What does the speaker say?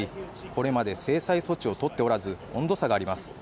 これまで制裁措置をとっておらず温度差があります